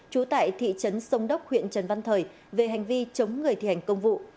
trú tại thị trấn sông đốc huyện trần văn thời về hành vi chống người thi hành công vụ